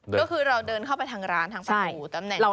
ก็คือเราเดินเข้าไปทางร้านทางประตูตำแหน่ง